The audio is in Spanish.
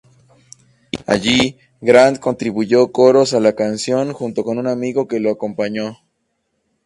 Allí, Grant contribuyó coros a la canción, junto con un amigo que lo acompañó.